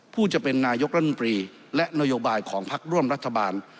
ผู้จะเป็นนายกรัฐมนตรีและนโยบายของพักร่วมรัฐบาล